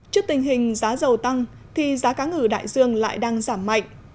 trước tình hình giá dầu tăng thì giá cá ngừ đại dương lại đang giảm mạnh